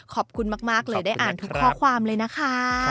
ขอบคุณมากเลยได้อ่านทุกข้อความเลยนะคะ